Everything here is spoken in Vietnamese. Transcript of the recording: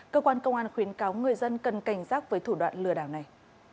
cơ quan công an khuyến cáo người dân cần cảnh giác với thủ đoạn lừa đảo này